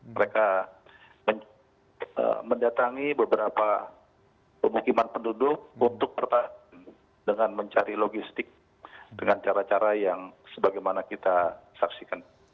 mereka mendatangi beberapa pemukiman penduduk untuk bertahan dengan mencari logistik dengan cara cara yang sebagaimana kita saksikan